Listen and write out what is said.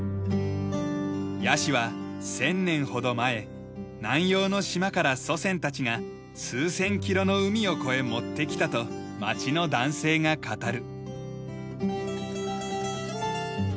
ヤシは１０００年ほど前南洋の島から祖先たちが数千キロの海を越え持ってきたと街の男性が語る。